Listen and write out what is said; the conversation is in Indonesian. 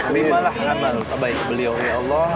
milahlah ramah baik beliau ya allah